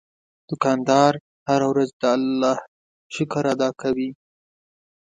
دوکاندار هره ورځ د الله شکر ادا کوي.